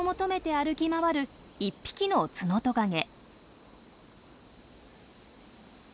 歩き回る１匹のツノトカゲ。